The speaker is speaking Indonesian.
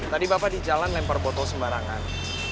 tadi bapak di jalan lempar botol sembarangan